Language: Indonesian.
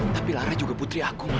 tapi lara juga putri aku